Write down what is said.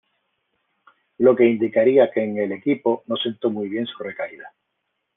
Lo que indicaría que en el equipo no sentó muy bien su recaída.